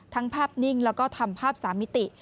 ทั้งภาพนิ่งและทำภาพ๓มิติ